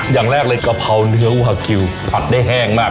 อย่างแรกเลยกะเพราเนื้อวูฮาคิวผัดได้แห้งมาก